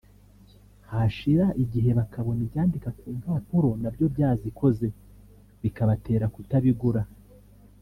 hashira igihe bakabona ibyandika ku mpapuro nabyo byazikoze bikabatera kutabigura